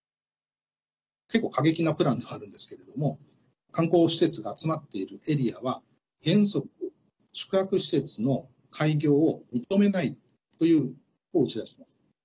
結構、過激なプランではあるんですけれども観光施設が集まっているエリアは原則、宿泊施設の開業を認めないということを打ち出しました。